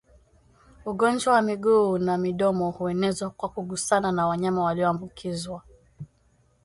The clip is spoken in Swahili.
Ugonjwa wa miguu na midomo huenezwa kwa kugusana na wanyama walioambukizwa